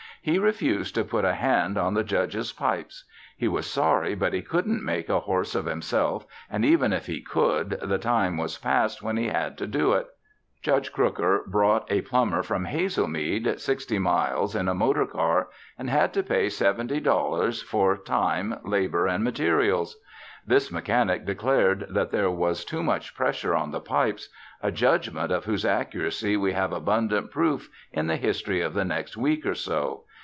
He refused to put a hand on the Judge's pipes. He was sorry but he couldn't make a horse of himself and even if he could the time was past when he had to do it. Judge Crooker brought a plumber from Hazelmead, sixty miles in a motor car, and had to pay seventy dollars for time, labor and materials. This mechanic declared that there was too much pressure on the pipes, a judgment of whose accuracy we have abundant proof in the history of the next week or so.